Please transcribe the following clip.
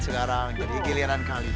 sekarang jadi giliran kalian